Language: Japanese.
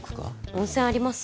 温泉あります？